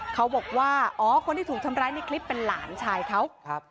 เขาบอกว่าอ๋อคนที่ถูกทำร้ายในคลิปเป็นหลานชายเขา